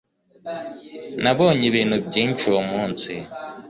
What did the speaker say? nabonye ibintu byinshi uwo munsi